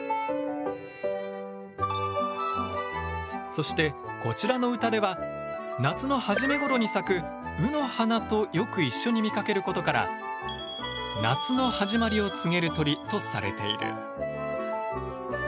そしてこちらの歌では夏の初めごろに咲く卯の花とよく一緒に見かけることから夏の始まりを告げる鳥とされている。